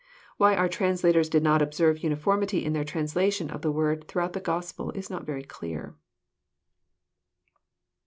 Why our translators did not observe uniformity in their translation of the word throughout this Gospel is not very clear.